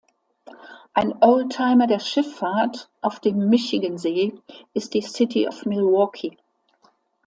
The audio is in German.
Ein Oldtimer der Schifffahrt auf dem Michigansee ist die City of Milwaukee.